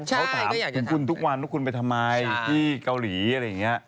เขาถามถึงคุณทุกวันว่าคุณไปทำไมที่เกาหลีอะไรอย่างนี้